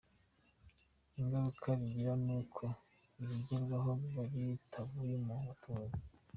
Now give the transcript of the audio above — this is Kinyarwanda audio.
Ingaruka bigira nuko ibigerwaho biba bitavuye mu baturage.